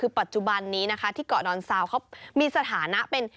คือปัจจุบันนี้นะคะที่เกาะดอนซาวเขามีสถานะเป็น